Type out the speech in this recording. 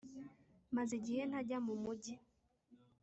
maze igihe ntajya mumujyi